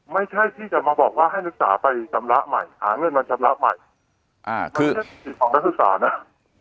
ไม่ใช่ที่จะมาบอกว่าให้นักศึกษาไปจำละใหม่หาเงินมาจำละใหม่